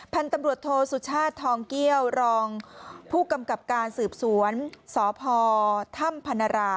พันธุ์ตำรวจโทสุชาติทองเกี้ยวรองผู้กำกับการสืบสวนสพถ้ำพนรา